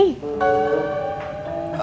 kamu ngapain di sini